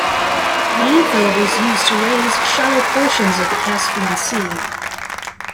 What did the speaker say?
Landfill was used to raise shallow portions of the Caspian Sea.